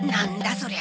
そりゃ。